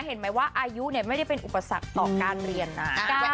เห็นไหมว่าอายุไม่ได้เป็นอุปสรรคต่อการเรียนนะ